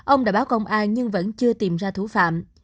ông đã báo công an nhưng vẫn chưa tìm ra thủ phạm